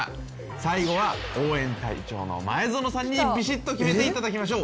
最後は応援隊長の前園さんにビシッと決めていただきましょう。